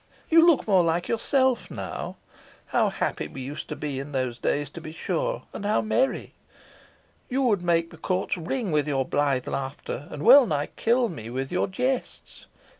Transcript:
You look more like yourself now. How happy we used to be in those days, to be sure! and how merry! You would make the courts ring with your blithe laughter, and wellnigh kill me with your jests.